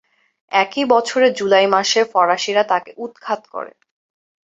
একই বছরের জুলাই মাসে ফরাসিরা তাকে উৎখাত করে।